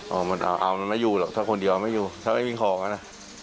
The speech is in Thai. เอามันไม่อยู่หรอกถ้าคนเดียวเอามันไม่อยู่ถ้าไม่มีของกันนะ